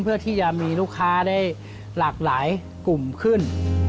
เพื่อที่จะมีลูกค้าได้หลากหลายกลุ่มขึ้น